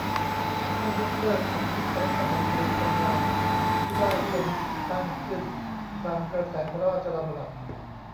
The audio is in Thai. ให้ยกเลิกอภิรัฐมนตรีสภาที่ได้ทรงตั้งขึ้นตามกระแสพระราชดำรัส